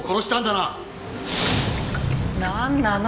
なんなの？